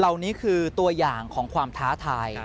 เหล่านี้คือตัวอย่างของความท้าทาย